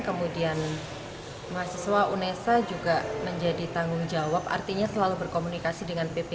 kemudian mahasiswa unesa juga menjadi tanggung jawab artinya selalu berkomunikasi dengan pp